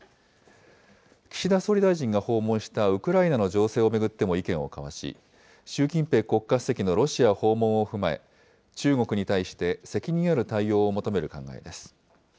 岸田総理大臣が訪問したウクライナの情勢を巡っても意見を交わし、習近平国家主席のロシア訪問を踏まえ、中国に対して責任ある対応を求める考えです。